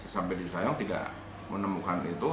sampai di sayang tidak menemukan itu